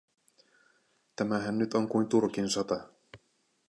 Tämähän nyt on kuin Turkin sota.